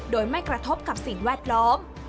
โดยไม่กระทบกับสิ่งแวดล้อม